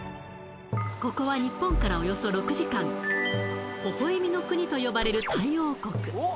ここは日本からおよそ６時間微笑みの国と呼ばれるタイ王国